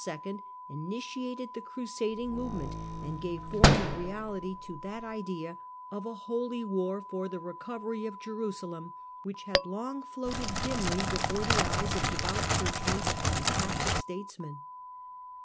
1095 initiated the crusading movement and gave form and reality to that idea of a Holy War for the recovery of Jerusalem which had long floated dimly before the eyes of devout churchmen and Catholic statesmen.